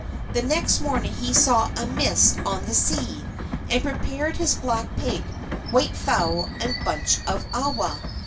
The next morning he saw a mist on the sea, and prepared his black pig, white fowl and bunch of awa.